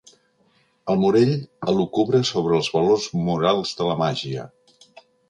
El Morell elucubra sobre els valors morals de la màgia.